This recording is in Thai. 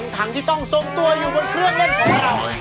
ทั้งที่ต้องทรงตัวอยู่บนเครื่องเล่นของเรา